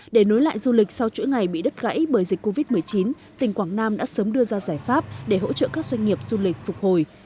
để nối lại du lịch sau chuỗi ngày bị đất gãy bởi dịch covid một mươi chín tỉnh quảng nam đã sớm đưa ra giải pháp để hỗ trợ các doanh nghiệp du lịch phục hồi